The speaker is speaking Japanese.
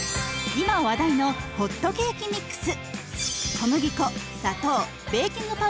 今話題のホットケーキミックス。